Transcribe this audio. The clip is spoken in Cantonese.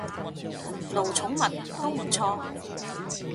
奴寵物，都唔錯